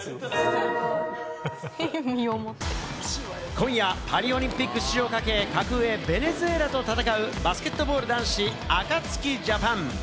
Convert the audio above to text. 今夜、パリオリンピック出場を懸け、格上・ベネズエラと戦うバスケットボール男子、ＡＫＡＴＳＵＫＩＪＡＰＡＮ。